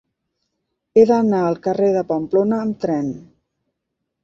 He d'anar al carrer de Pamplona amb tren.